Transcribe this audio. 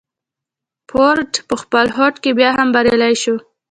فورډ په خپل هوډ کې بيا هم بريالی شو.